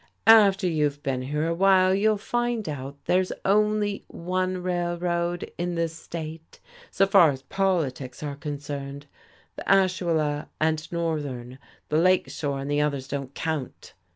"After you've been here a while you'll find out there's only one railroad in this state, so far as politics are concerned. The Ashuela and Northern, the Lake Shore and the others don't count."